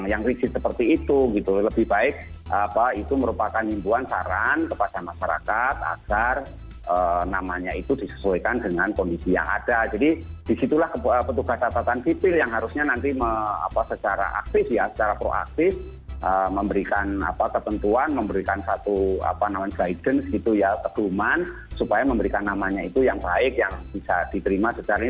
yang risik seperti itu gitu lebih baik apa itu merupakan imbuan saran kepada masyarakat agar namanya itu disesuaikan dengan kondisi yang ada jadi disitulah petugas asatan sipil yang harusnya nanti secara aktif ya secara proaktif memberikan apa kepentuan memberikan satu apa namanya guidance gitu ya keguman supaya memberikan namanya itu yang baik yang bisa diterima secara ini